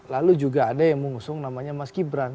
lalu juga ada yang mengusung namanya mas gibran